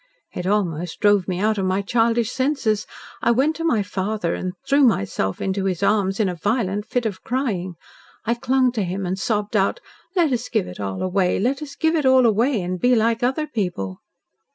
It almost drove me out of my childish senses. I went to my father and threw myself into his arms in a violent fit of crying. I clung to him and sobbed out, 'Let us give it all away; let us give it all away and be like other people!'"